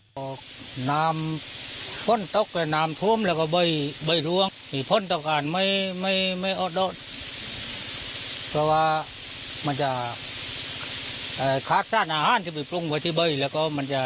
ตอนนั้นคาให้น้ำสกให้น้ำอ๊อกเรียวแล้วก็มันจะฟืนตัวได้ก็ประมาณ๔ห้าเดือนไร่